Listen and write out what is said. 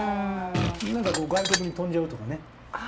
何かこう外国に飛んじゃうとかね。